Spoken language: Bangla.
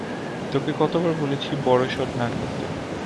তোকে কতবার বলেছি বড় শট না খেলতে।